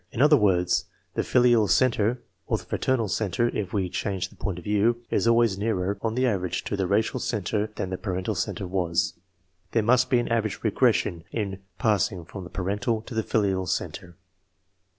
In ler words, the filial centre (or the fraternal centre, if we change the point of view) is always nearer, on the average, to the racial centre than the parental centre was. There I PREFATORY CHAPTER must be an average " regression " in passing from the parental to the filial centre.